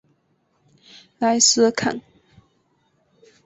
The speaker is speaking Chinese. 莱斯坎。